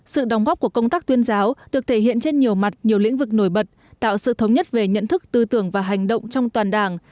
sự đóng góp của công tác tuyên giáo được thể hiện trên nhiều mặt nhiều lĩnh vực nổi bật tạo sự thống nhất về nhận thức tư tưởng và hành động trong toàn đảng